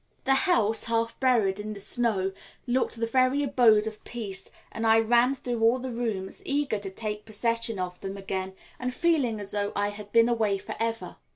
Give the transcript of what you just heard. The house, half buried in the snow, looked the very abode of peace, and I ran through all the rooms, eager to take possession of them again, and feeling as though I had been away for ever.